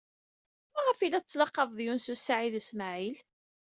Maɣef ay la tettlaqabed Yunes u Saɛid u Smaɛil?